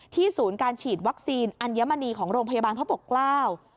ศูนย์การฉีดวัคซีนอัญมณีของโรงพยาบาลพระปกเกล้า